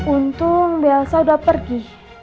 untung mbak elsa udah pergi